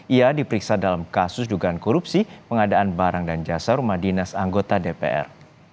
ia diperiksa dalam kasus dugaan korupsi pengadaan barang dan jasa rumah dinas anggota dpr